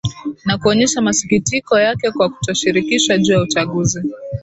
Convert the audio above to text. na kuonyesha masikitiko yake kwa kutoshirikishwa juu ya uchaguzi